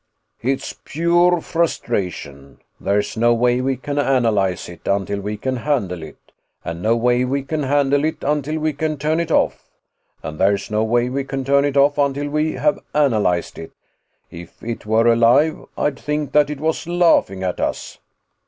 "It's pure frustration. There's no way we can analyze it until we can handle it, and no way we can handle it until we can turn it off. And there's no way we can turn it off until we have analyzed it. If it were alive, I'd think that it was laughing at us.